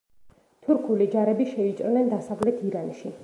თურქული ჯარები შეიჭრნენ დასავლეთ ირანში.